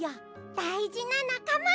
だいじななかま！